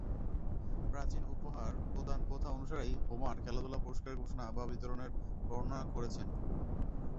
প্রাচীন উপহার প্রদান প্রথা অনুসারেই হোমার খেলাধূলার পুরস্কারের ঘোষণা বা বিতরণের বর্ণনা করেছেন।